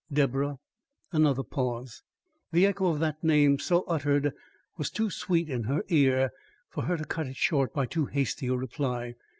"Deborah?" Another pause. The echo of that name so uttered was too sweet in her ear for her to cut it short by too hasty a reply.